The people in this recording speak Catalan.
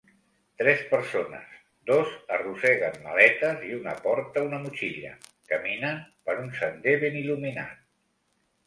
Tres persones, dos arrosseguen maletes i una porta una motxilla, caminen per un sender ben il·luminat